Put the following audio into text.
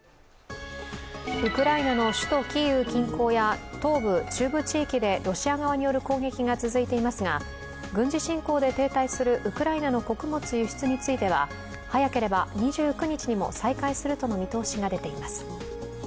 ウクライナの首都キーウ近郊や東部・中部地域でロシア側による攻撃が続いていますが軍事侵攻で停滞するウクライナの穀物輸出については早ければ２９日にも再開するとの見通しが出ています。